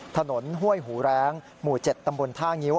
ห้วยหูแรงหมู่๗ตำบลท่างิ้ว